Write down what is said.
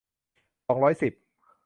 สองร้อยสิบ